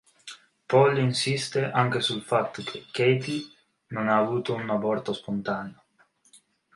Paul insiste anche sul fatto che Cathy non ha avuto un aborto spontaneo.